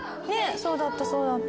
そうだったそうだった。